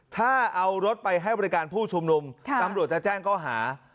ถ้าเอารถไปให้บริการผู้ชุมนุมตำรวจจะแจ้งข้อหา